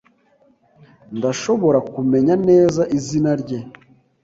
Ndashobora kumenya neza izina rye